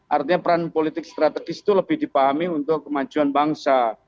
artinya peran politik strategis itu lebih dipahami untuk kemajuan bangsa